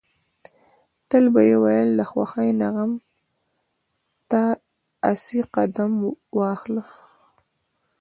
تل به يې ويل د خوښۍ نه غم ته اسې قدم واخله.